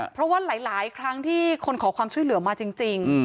เพราะว่าหลายครั้งที่คนขอความช่วยเหลือมาจริง